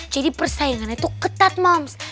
jadi persaingannya tuh ketat moms